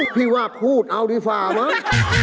พี่ว่าพูดเอาดีฟาเหรอ